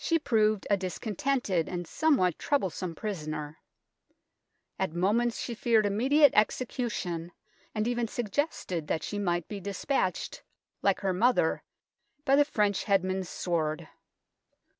She proved a discontented and somewhat troublesome prisoner. At moments she feared immediate execution, and even suggested that she might be despatched, like her mother, by the French headsman's sword.